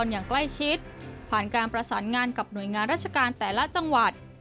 อย่างใกล้ชิดผ่านการประสานงานกับหน่วยงานราชการแต่ละจังหวัด